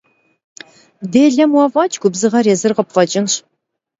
Delem vue f'eç', gubzığer yêzır khıpf'eç'ınş.